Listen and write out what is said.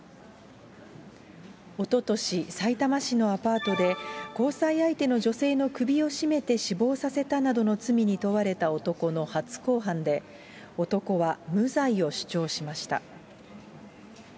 おととし、さいたま市のアパートで、交際相手の女性の首を絞めて死亡させたなどの罪に問われた男の初公判で、男は無罪を主張しました。